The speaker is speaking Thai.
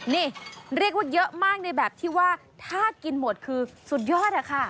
นี่เรียกว่าเยอะมากในแบบที่ว่าถ้ากินหมดคือสุดยอดอะค่ะ